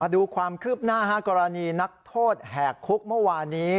ดูความคืบหน้ากรณีนักโทษแหกคุกเมื่อวานี้